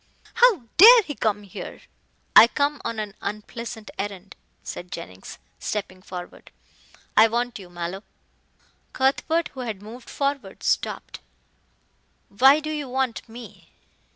"How dare he come here." "I come on an unpleasant errand," said Jennings, stepping forward. "I want you, Mallow!" Cuthbert, who had moved forward, stopped. "Why do you want me?"